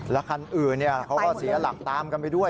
แล้วคันอื่นเขาก็เสียหลักตามกันไปด้วย